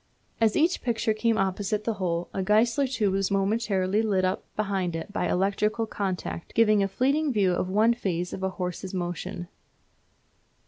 As each picture came opposite the hole a Geissler tube was momentarily lit up behind it by electrical contact, giving a fleeting view of one phase of a horse's motion.